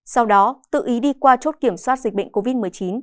sau đó tự ý đi qua chốt kiểm soát dịch bệnh covid một mươi chín